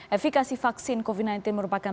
efekasi vaksin covid sembilan belas merupakan